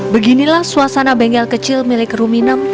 beginilah suasana bengkel kecil milik ruminem